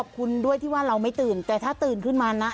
ขอบคุณด้วยที่ว่าเราไม่ตื่นแต่ถ้าตื่นขึ้นมานะ